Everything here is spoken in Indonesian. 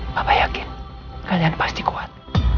bapak yakin kalian pasti kuat